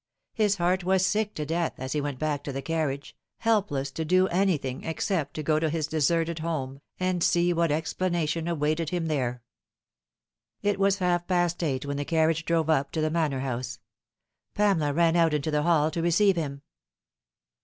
His heart was sick to death as he went back to the carriage, helpless toj do anything 'except go to his deserted home, and see what explanation awaited him there. It was half past eight when the carriage drove up to the Manor House. Pamela ran out into the hall to receive him.